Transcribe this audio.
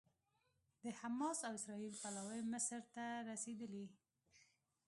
د حماس او اسرائیل پلاوي مصر ته رسېدلي